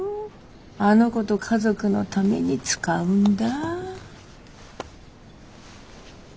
あの子と家族のために使うんだ。